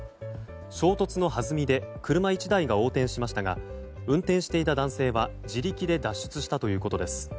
衝突のはずみで車１台が横転しましたが運転していた男性は自力で脱出したということです。